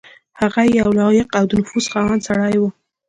هغه یو لایق او د نفوذ خاوند سړی وو.